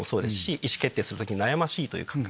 意思決定する時に悩ましいという感覚。